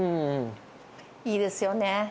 いいですよね。